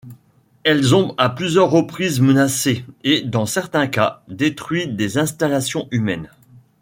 Elles ont à plusieurs reprises menacé et, dans certains cas, détruit des installations humaines.